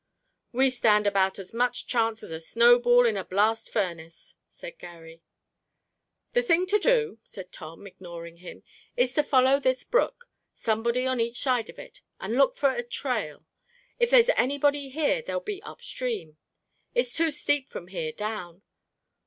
"We stand about as much chance as a snowball in a blast furnace," said Garry. "The thing to do," said Tom, ignoring him, "is to follow this brook, somebody on each side, and look for a trail. If there's anybody here they'll be upstream; it's too steep from here down.